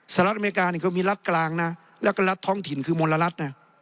สหรัฐอเมริกานี่เขามีรัฐกลางนะแล้วก็รัฐท้องถิ่นคือมลรัฐนะ